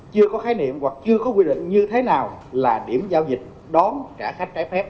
chưa có khái niệm hoặc chưa có quy định như thế nào là điểm giao dịch đón trả khách trái phép